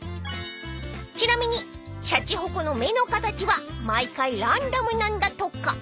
［ちなみにしゃちほこの目の形は毎回ランダムなんだとか］